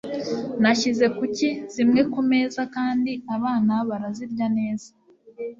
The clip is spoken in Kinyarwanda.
nashyize kuki zimwe kumeza kandi abana barazirya neza